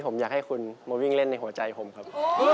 ผมอยากให้คุณมาวิ่งเล่นในหัวใจผมครับ